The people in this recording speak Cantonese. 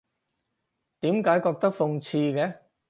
點解覺得諷刺嘅？